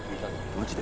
マジで？